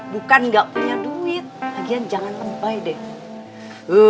bukan nggak punya duit lagian jangan lembai deh